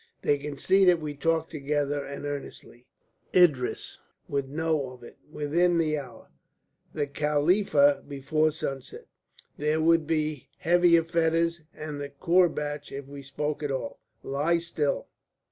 "They can see that we talk together and earnestly. Idris would know of it within the hour, the Khalifa before sunset. There would be heavier fetters and the courbatch if we spoke at all. Lie still.